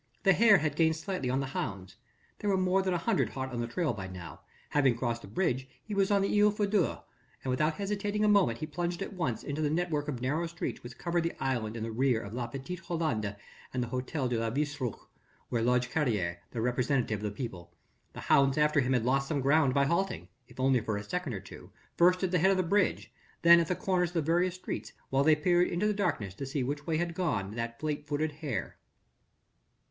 The hare had gained slightly on the hounds there were more than a hundred hot on the trail by now having crossed the bridge he was on the Isle Feydeau, and without hesitating a moment he plunged at once into the network of narrow streets which cover the island in the rear of La Petite Hollande and the Hôtel de le Villestreux, where lodged Carrier, the representative of the people. The hounds after him had lost some ground by halting if only for a second or two first at the head of the bridge, then at the corners of the various streets, while they peered into the darkness to see which way had gone that fleet footed hare.